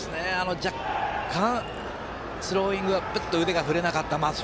若干、スローイングで腕が振れなかったかと。